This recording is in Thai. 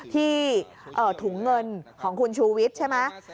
ที่ถุงเงินของคุณชูวิทย์ใช่ไหม